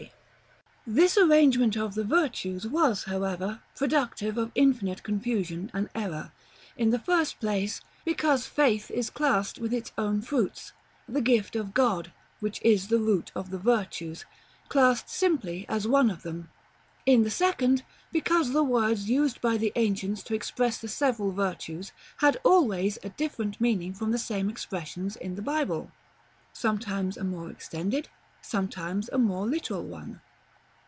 § LI. This arrangement of the virtues was, however, productive of infinite confusion and error: in the first place, because Faith is classed with its own fruits, the gift of God, which is the root of the virtues, classed simply as one of them; in the second, because the words used by the ancients to express the several virtues had always a different meaning from the same expressions in the Bible, sometimes a more extended, sometimes a more limited one.